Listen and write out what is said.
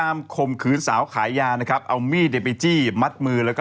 เมื่อกี้คุณพูดว่าอะไร